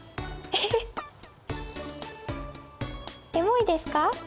「エモい」ですか？